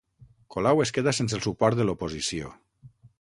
Colau es queda sense el suport de l'oposició